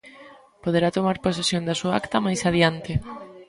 Poderá tomar posesión da súa acta máis adiante.